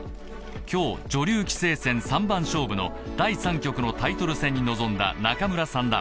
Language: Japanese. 今日、女流棋聖戦三番勝負の第３局のタイトル戦に臨んだ仲邑三段。